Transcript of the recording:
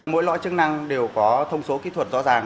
mỗi lõi chức năng đều có thông số kỹ thuật rõ ràng